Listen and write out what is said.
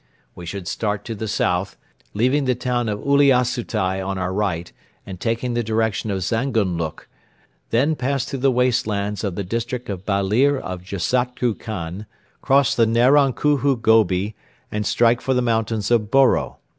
We should start to the south, leaving the town of Uliassutai on our right and taking the direction of Zaganluk, then pass through the waste lands of the district of Balir of Jassaktu Khan, cross the Naron Khuhu Gobi and strike for the mountains of Boro.